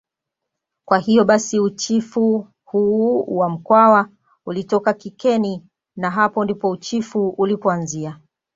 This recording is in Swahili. Kwa hiyo basi uchifu huu wa mkwawa ulitoka kikeni na hapo ndipo uchifu ulipoanzia